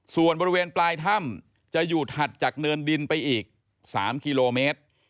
ส่วนบริเวณปลายถ้ำจะอยู่ถัดจากเนินดินไปอีก๓กิโลเมตร